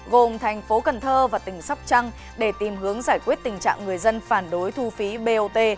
gồm thành phố cần thơ và tỉnh sóc trăng để tìm hướng giải quyết tình trạng người dân phản đối thu phí bot